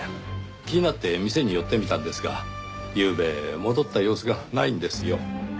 気になって店に寄ってみたんですがゆうべ戻った様子がないんですよ。